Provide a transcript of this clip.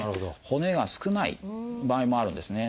骨が少ない場合もあるんですね。